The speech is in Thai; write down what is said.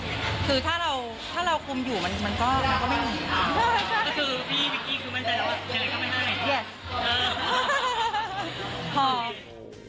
ก็คือพี่วิกกี้คือมั่นใจแล้วว่าเจนก็ไม่ได้